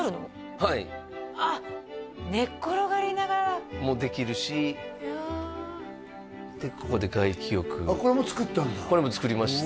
はいあっ寝っ転がりながらもできるしここで外気浴これも作ったんだこれも作りました